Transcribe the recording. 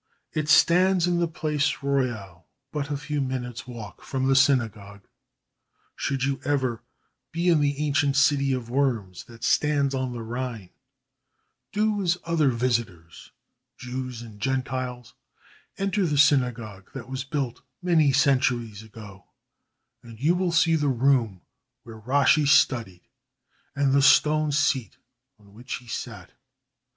It stands in the Place Royale but a few minutes' walk from the synagogue. Should you ever be in the ancient city of Worms that stands on the Rhine, do as other visitors, Jews and Gentiles enter the synagogue that was built many centuries ago, and you will see the room where Rashi studied and the stone seat on which he sat.